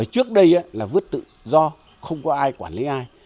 trước đây là vứt tự do không có ai quản lý ai